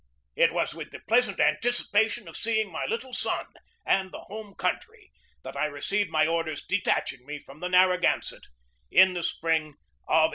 It was with the pleasant anticipation of seeing my little son and the home country that I received my orders detaching me from the Narra gansett in the spring of 1875.